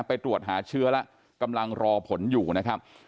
ไปตรวจหาเชื้อแล้วกำลังรอผลอยู่นะครับ